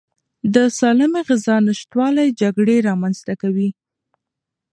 د سالمې غذا نشتوالی جګړې رامنځته کوي.